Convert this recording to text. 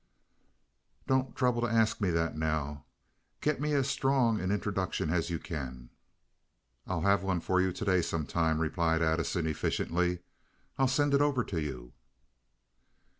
"Don't trouble to ask me that now. Get me as strong an introduction as you can." "I'll have one for you to day some time," replied Addison, efficiently. "I'll send it over to you."